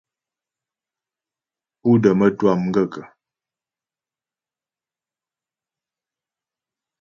Pú də mətwâ m gaə́kə̀ ?